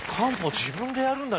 自分でやるんだね！